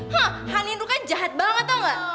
hah hani itu kan jahat banget tau gak